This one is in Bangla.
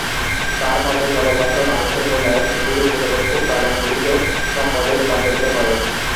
তাঁর মতে, কেবলমাত্র মানুষের "মূল্যায়ন" পৃথিবীর "নিরপেক্ষ উপাদান"গুলিকে সম্পদে রূপান্তরিত করে।